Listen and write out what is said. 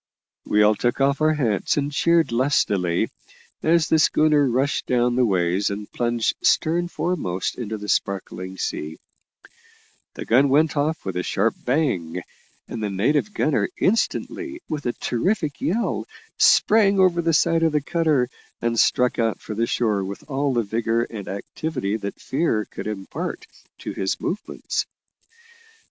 We all took off our hats and cheered lustily as the schooner rushed down the ways and plunged stern foremost into the sparkling sea; the gun went off with a sharp bang, and the native gunner instantly, with a terrific yell, sprang over the side of the cutter, and struck out for the shore with all the vigour and activity that fear could impart to his movements.